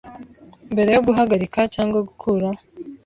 Mbere yo guhagarika cyangwa gukuraho